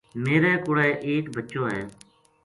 میرے کوڑے ایک بچو ہے‘‘